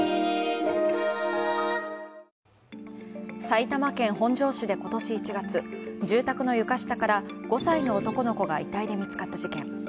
埼玉県本庄市で今年１月、住宅の床下から５歳の男の子が遺体で見つかった事件。